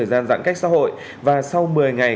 giãn cách xã hội và sau một mươi ngày